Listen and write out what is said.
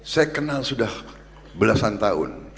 saya kenal sudah belasan tahun